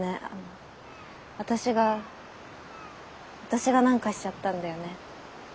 あの私が私が何かしちゃったんだよね？